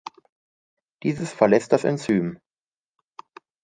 Dieses verlässt das Enzym.